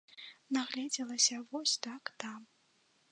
Нагледзелася вось так там.